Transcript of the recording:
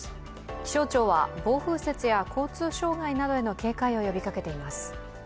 気象庁は暴風雪や交通障害などへの警戒を呼びかけています。